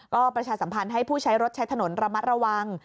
ก็ประชาสัมพันธ์ให้ผู้ใช้รถใช้ถนนระมัดระวัง